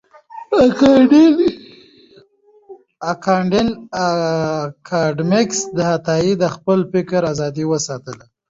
کانديد اکاډميسن عطایي د خپل فکر آزادی وساتله.